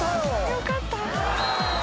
よかった。